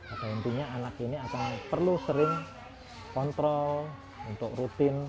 pada intinya anak ini akan perlu sering kontrol untuk rutin